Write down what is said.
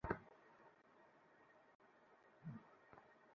পরে নিজের সার্ভিস গেমও জিতে ব্যবধান করে ফেললেন বাড়িয়ে নিলেন আরেকটু।